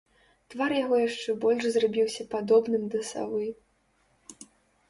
Твар яго яшчэ больш зрабіўся падобным да савы.